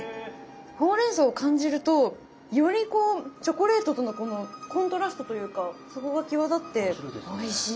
ほうれんそうを感じるとよりこうチョコレートとのこのコントラストというかそこが際立っておいしいな。